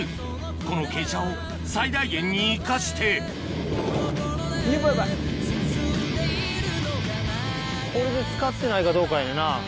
この傾斜を最大限に生かしてこれで使ってないかどうかやな。